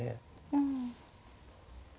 うん。